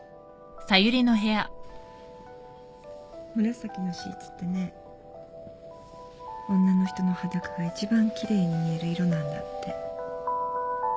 紫のシーツってね女の人の裸がいちばんきれいに見える色なんだって。